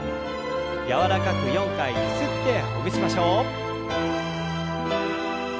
柔らかく４回ゆすってほぐしましょう。